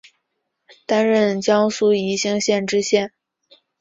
担任江苏宜兴县知县。